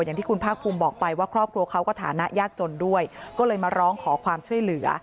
อย่างที่คุณภาคภูมิบอกไปว่าครอบครัวเขาก็ฐานะยากจนด้วยก็เลยมาร้องขอความช่วยเหลือ